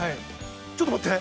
ちょっと待って？